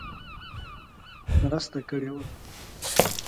مرسته کړې وه.